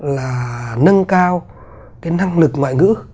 là nâng cao cái năng lực ngoại ngữ